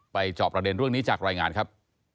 จอบประเด็นเรื่องนี้จากรายงานครับ